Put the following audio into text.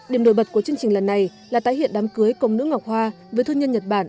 điểm đổi bật của chương trình lần này là tái hiện đám cưới công nữ ngọc hoa với thư nhân nhật bản